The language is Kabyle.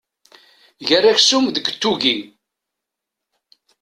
Ger aksum deg tuggi.